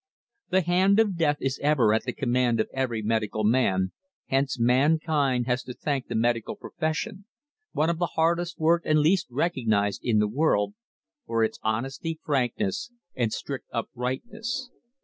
The hand of death is ever at the command of every medical man, hence mankind has to thank the medical profession one of the hardest worked and least recognized in the world for its honesty, frankness and strict uprightness.